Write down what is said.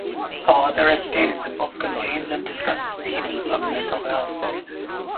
The author has stated the book contains and discusses themes of mental health